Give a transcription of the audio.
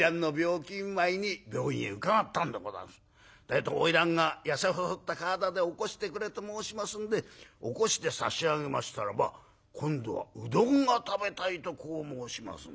えと花魁が痩せ細った体で起こしてくれと申しますんで起こして差し上げましたらば今度はうどんが食べたいとこう申します。